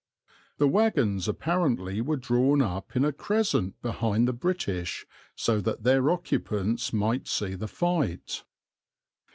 The wagons apparently were drawn up in a crescent behind the British so that their occupants might see the fight.